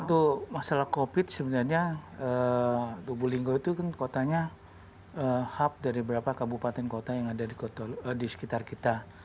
untuk masalah covid sebenarnya lubu linggau itu kan kotanya hub dari beberapa kabupaten kota yang ada di sekitar kita